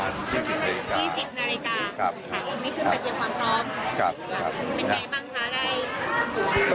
อันนี้คือประเทศความรอบไม่ได้บังคัยได้ครับ